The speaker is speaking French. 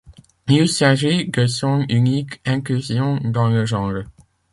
Il s'agit de son unique incursion dans le genre.